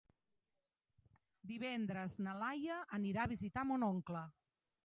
Divendres na Laia anirà a visitar mon oncle.